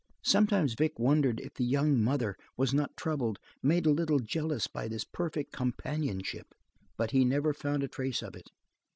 Sometimes Vic wondered if the young mother were not troubled, made a little jealous by this perfect companionship, but he never found a trace of it.